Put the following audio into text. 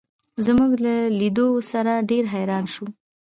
زموږ له لیدو سره ډېر حیران شو.